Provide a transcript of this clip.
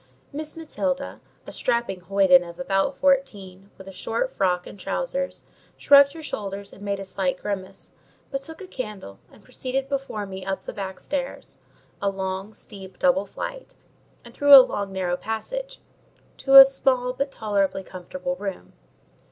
Miss Matilda, a strapping hoyden of about fourteen, with a short frock and trousers, shrugged her shoulders and made a slight grimace, but took a candle and proceeded before me up the back stairs (a long, steep, double flight), and through a long, narrow passage, to a small but tolerably comfortable room.